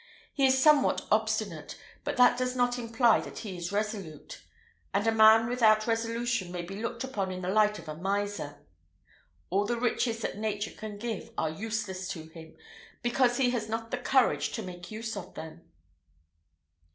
He is somewhat obstinate, but that does not imply that he is resolute; and a man without resolution may be looked upon in the light of a miser: all the riches that nature can give are useless to him, because he has not the courage to make use of them."